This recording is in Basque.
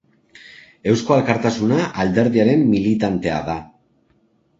Eusko Alkartasuna alderdiaren militantea da.